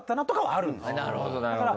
なるほどなるほど。